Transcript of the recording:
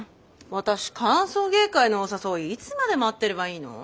私歓送迎会のお誘いいつまで待ってればいいの？